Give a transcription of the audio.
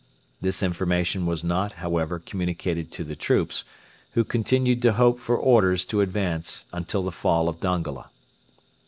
This information was not, however, communicated to the troops, who continued to hope for orders to advance until the fall of Dongola.